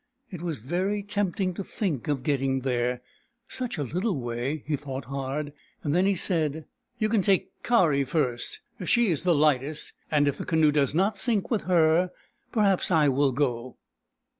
It was very tempting to think of getting there — such a little way ! He thought hard. Then he said :" You can take Kari first — she is the lightest, and if the canoe does not sink with her, perhaps I will go."